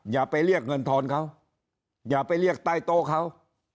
อย่าไปเรียกเงินทอนเขาอย่าไปเรียกใต้โต๊ะเขา